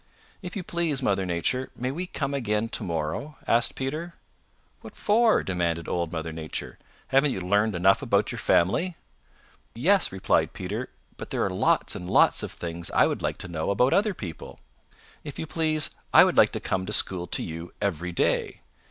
"If you please, Mother Nature, may we come again to morrow?" asked Peter. "What for?" demanded Old Mother Nature. "Haven't you learned enough about your family?" "Yes," replied Peter, "but there are lots and lots of things I would like to know about other people. If you please, I would like to come to school to you every day.